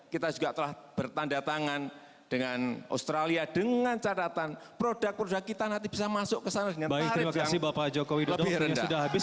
kita juga telah bertanda tangan dengan australia dengan catatan produk produk kita nanti bisa masuk ke sana dengan tarif yang lebih rendah